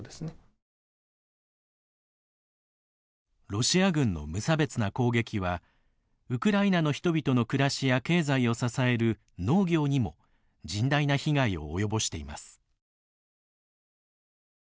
ロシア軍の無差別な攻撃はウクライナの人々の暮らしや経済を支える農業にも甚大な被害を及ぼしています。